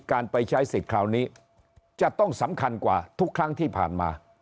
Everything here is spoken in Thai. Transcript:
การไปใช้สิทธิ์คราวนี้จะต้องสำคัญกว่าทุกครั้งที่ผ่านมา